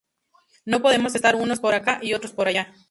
No podemos estar unos por acá y otros por allá"".